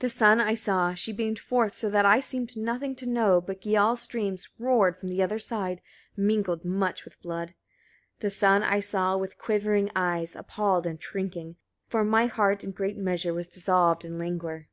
42. The sun I saw: she beamed forth so that I seemed nothing to know; but Gioll's streams roared from the other side mingled much with blood. 43. The sun I saw, with quivering eyes, appalled and shrinking; for my heart in great measure was dissolved in languor.